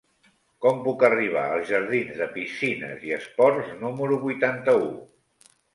Com puc arribar als jardins de Piscines i Esports número vuitanta-u?